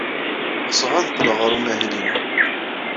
Ɣseɣ ad qqleɣ ɣer umahil-inu.